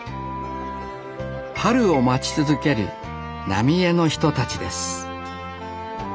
春を待ち続ける浪江の人たちです